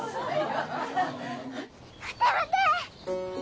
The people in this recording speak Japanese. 待て待て。